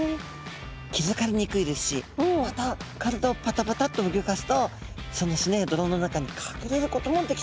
気付かれにくいですしまた体をパタパタッとうギョかすとその砂や泥の中に隠れることもできちゃいます。